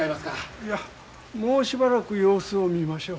いやもうしばらく様子を見ましょう。